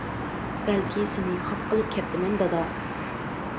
بەلكى سېنى خاپا قىلىپ كەپتىمەن دادا!